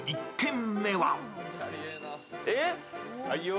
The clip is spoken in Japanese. えっ？